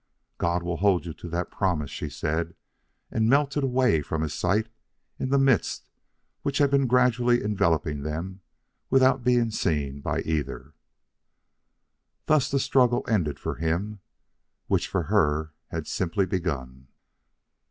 "God will hold you to that promise," she said; and melted away from his sight in the mist which had been gradually enveloping them without being seen by either. Thus the struggle ended for him, which for her had simply begun.